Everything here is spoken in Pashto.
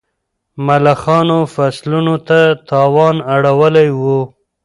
ملخانو فصلونو ته تاوان اړولی و.